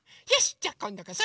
じゃあこんどこそ！